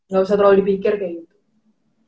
gak usah terlalu dipikir kayak gitu